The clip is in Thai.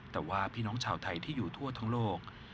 แต่ว่าพี่น้องชาวไทยที่อยู่ทั่วทั้งโลก